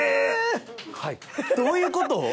どういうこと？